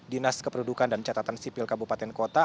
dinas keperudukan dan catatan sipil kabupaten kota